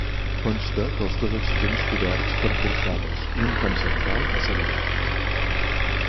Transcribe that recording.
Consta dels dos extrems coberts per porxades i un tram central a cel obert.